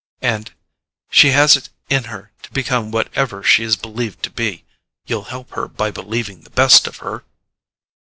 and: "She has it in her to become whatever she is believed to be—you'll help her by believing the best of her?"